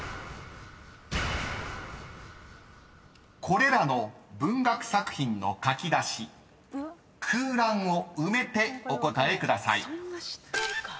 ［これらの文学作品の書き出し空欄を埋めてお答えください］